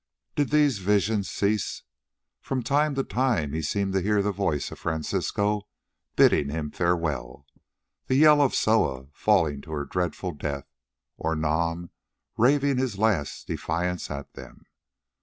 Did these visions cease, from time to time he seemed to hear the voice of Francisco bidding him farewell, the yell of Soa falling to her dreadful death, or Nam raving his last defiance at them.